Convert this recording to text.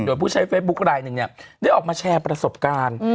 โดยผู้ใช้เฟซบุ๊คไลนึงเนี่ยได้ออกมาแชร์ประสบการณ์